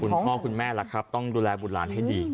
คุณพ่อคุณแม่ล่ะครับต้องดูแลบุตรหลานให้ดี